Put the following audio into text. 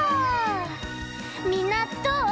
みんなどう？